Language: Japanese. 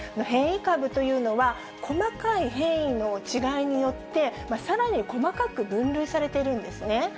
変異株というのは、細かい変異の違いによって、さらに細かく分類されているんですね。